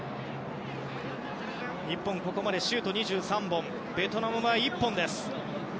日本、ここまでシュート２３本ベトナムは１本です。